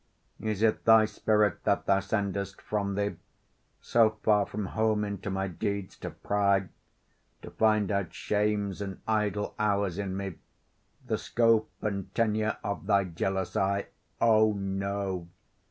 Is it thy spirit that thou send'st from thee So far from home into my deeds to pry, To find out shames and idle hours in me, The scope and tenure of thy jealousy? O, no!